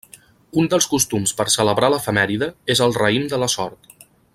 Un dels costums per celebrar l'efemèride és el raïm de la sort.